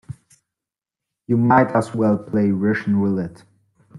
You might as well play Russian roulette.